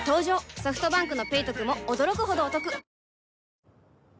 ソフトバンクの「ペイトク」も驚くほどおトク